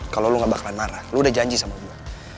kalo lu gak bakalan marah lu udah janji sama gua